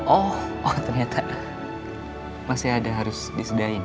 oh ternyata masih ada harus disedain